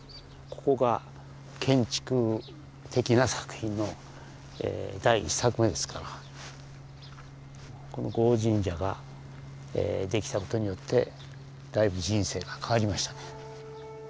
ここが建築的な作品の第１作目ですからこの護王神社ができたことによってだいぶ人生が変わりましたね。